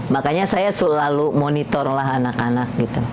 makanya saya selalu monitor lah anak anak